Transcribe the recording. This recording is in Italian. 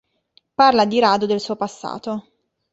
Parla di rado del suo passato.